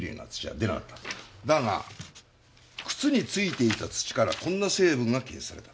だが靴についていた土からこんな成分が検出された。